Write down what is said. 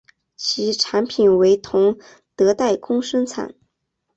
其产品为同德代工生产。